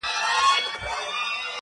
پردى کټ تر نيمي شپې دئ.